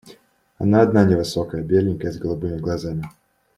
Она одна невысокая, беленькая, с голубыми глазами.